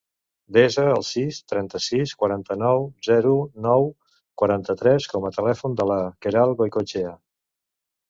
Desa el sis, trenta-sis, quaranta-nou, zero, nou, quaranta-tres com a telèfon de la Queralt Goicoechea.